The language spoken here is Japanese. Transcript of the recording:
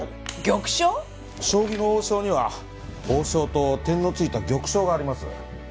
将棋の王将には王将と点の付いた玉将があります。